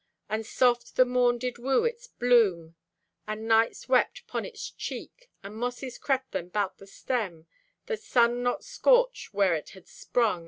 And soft the morn did woo its bloom; And nights wept 'pon its cheek, And mosses crept them 'bout the stem, That sun not scoarch where it had sprung.